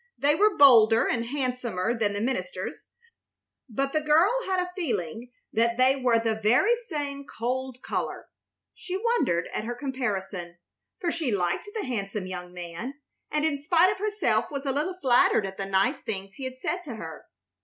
They were bolder and handsomer than the minister's, but the girl had a feeling that they were the very same cold color. She wondered at her comparison, for she liked the handsome young man, and in spite of herself was a little flattered at the nice things he had said to her.